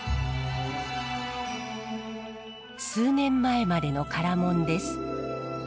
数年前までの唐門です。